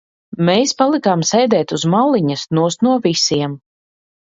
Mēs palikām sēdēt uz maliņas nost no visiem.